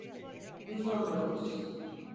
Yüz on dokuz.